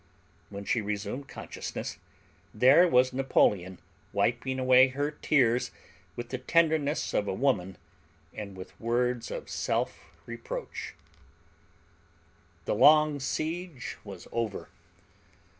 When she resumed consciousness there was Napoleon wiping away her tears with the tenderness of a woman and with words of self reproach. The long siege was over.